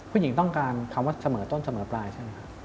ผู้หญิงต้องการคำว่าเสมอต้นเสมอปลายใช่ไหมครับ